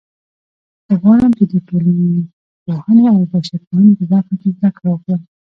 زه غواړم چې د ټولنپوهنې او بشرپوهنې په برخه کې زده کړه وکړم